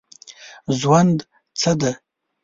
ژوند څه دی ؟